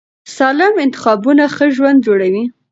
سالم انتخابونه ښه ژوند جوړوي.